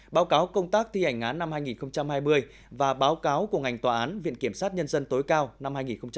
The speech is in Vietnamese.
báo cáo công tác thi hành án năm hai nghìn hai mươi và báo cáo của ngành tòa án viện kiểm sát nhân dân tối cao năm hai nghìn hai mươi